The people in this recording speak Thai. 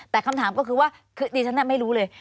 แต่คำถามก็คือว่าดิฉันไม่รู้เลย